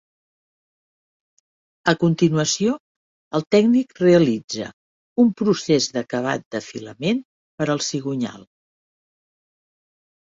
A continuació el tècnic realitza un procés d'acabat d'afilament per al cigonyal.